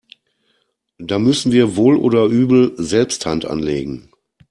Da müssen wir wohl oder übel selbst Hand anlegen.